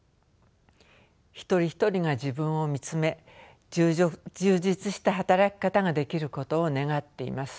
一人一人が自分を見つめ充実した働き方ができることを願っています。